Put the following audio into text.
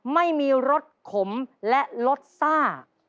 ไม่มีรสขมและรสซ่า